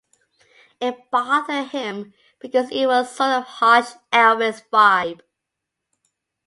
It bothered him because it was sort of that harsh Elvis vibe.